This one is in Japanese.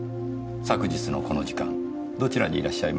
昨日のこの時間どちらにいらっしゃいました？